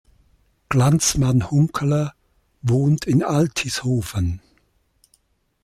Glanzmann-Hunkeler wohnt in Altishofen.